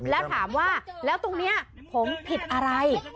แล้วถามว่าแล้วตรงนี้ผมผิดอะไร